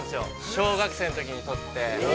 小学生のときに取って。